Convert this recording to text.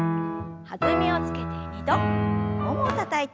弾みをつけて２度ももをたたいて。